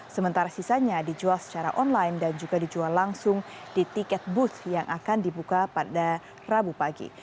sementara sisanya dijual secara online dan juga dijual langsung di tiket bus yang akan dibuka pada rabu pagi